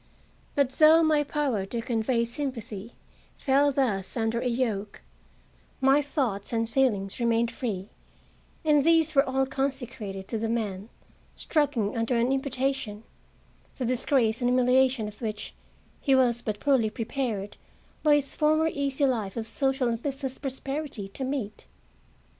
But though my power to convey sympathy fell thus under a yoke, my thoughts and feelings remained free, and these were all consecrated to the man struggling under an imputation, the disgrace and humiliation of which he was but poorly prepared, by his former easy life of social and business prosperity, to meet.